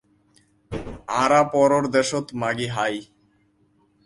আঁরা পরর দেশত মাগি হাই।